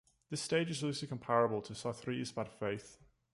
This stage is loosely comparable to Sartre's bad faith.